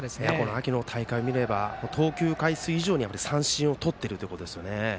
秋の大会を見ると投球回数以上に三振をとっているということですね。